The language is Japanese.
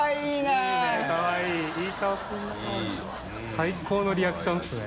最高のリアクションですね。